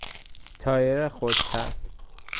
تایر خودچسب